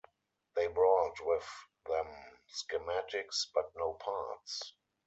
They brought with them schematics, but no parts.